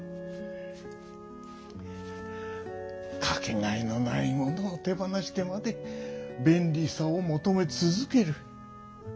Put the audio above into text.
かけがえのないものを手放してまで便利さをもとめつづける。